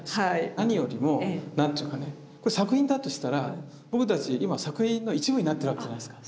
何よりも何ていうかなこれ作品だとしたら僕たち今作品の一部になってるわけじゃないですか。